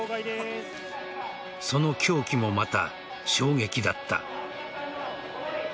その凶器もまた衝撃だった。